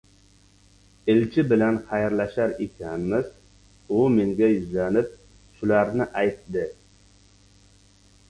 Elchi bilan xayrlashar ekanmiz, u menga yuzlanib, shularni aytdi: